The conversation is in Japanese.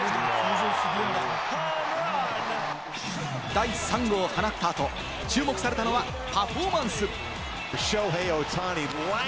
第３号を放ったあと注目されたのはパフォーマンス。